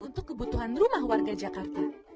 untuk kebutuhan rumah warga jakarta